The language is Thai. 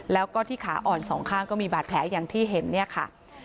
แล้วก็ที่ขาอ่อนสองข้างก็มีบาดแผลอย่างที่เห็นเนี่ยค่ะ